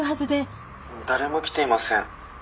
「誰も来ていません。